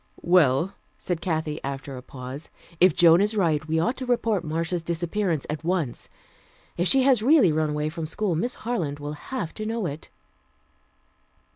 "Well," said Kathy after a pause. "If Joan is right, we ought to report Marcia's disappearance at once. If she has really run away from school, Miss Harland will have to know it."